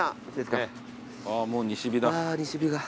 ああもう西日だ。